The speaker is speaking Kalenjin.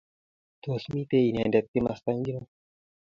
Tos mitei inendet komasta ngiro